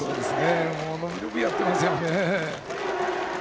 伸び伸びとやってますよね。